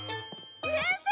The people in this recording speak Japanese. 先生！